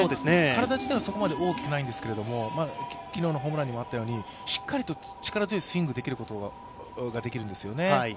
体つきはそこまで大きくないんですけれども、昨日のホームランにもあったように、しっかりと力強いスイングができるんですよね。